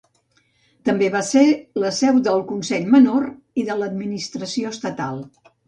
També va ser la seu del Consell Menor i de l'administració estatal.